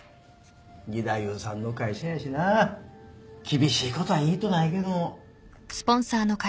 義太夫さんの会社やしな厳しいことは言いとないけど。